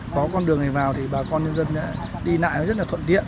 có con đường này vào thì bà con người dân đã đi lại rất là thuận tiện